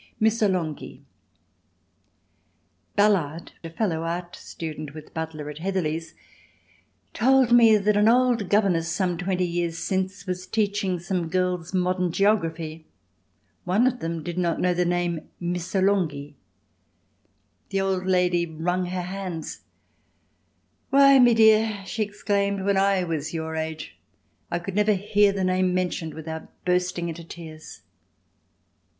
Missolonghi Ballard [a fellow art student with Butler at Heatherley's] told me that an old governess, some twenty years since, was teaching some girls modern geography. One of them did not know the name Missolonghi. The old lady wrung her hands: "Why, me dear," she exclaimed, "when I was your age I could never hear the name mentioned without bursting into tears."